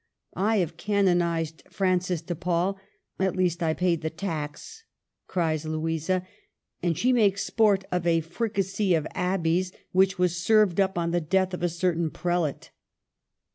" I have canonized Francis de Paule — at least I paid the tax !" cries Louisa; and she makes sport of a *' Fricassee of Ab beys " which was served up on the death of a certain prelate.